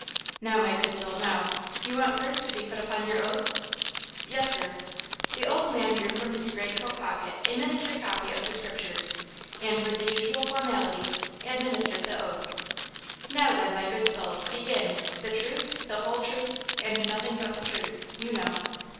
"Now, my good soul, now! You want first to be put upon your oath?" "Yes, sir." The old man drew from his great coat pocket a miniature copy of the Scriptures, and with the usual formalities administered the oath. "Now, then, my good soul, begin–'the truth, the whole truth, and nothing but the truth,' you know.